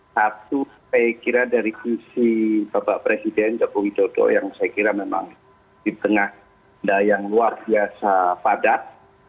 satu saya kira dari visi bapak presiden joko widodo yang saya kira memang di tengah yang luar biasa padat